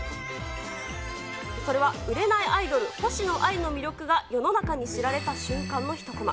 それは売れないアイドル、星野アイの魅力が世の中に知られた瞬間の１コマ。